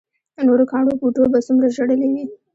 نورو کاڼو بوټو به څومره ژړلي وي.